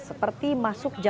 seperti masuk ke jalan